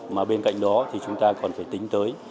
mà bên cạnh đó thì chúng ta còn phải tính tới